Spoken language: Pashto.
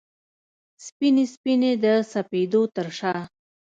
سپینې، سپینې د سپېدو ترشا